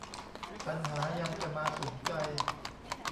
ปัญหายังจะมาสุมใจ